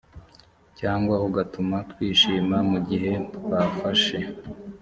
cyangwa ugatuma twishima mu gihe twafashe